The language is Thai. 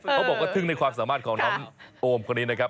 เขาบอกว่าทึ่งในความสามารถของน้องโอมคนนี้นะครับ